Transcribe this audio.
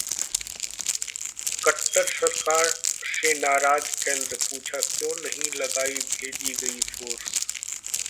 खट्टर सरकार से नाराज केंद्र, पूछा- क्यों नहीं लगाई भेजी गई फोर्स?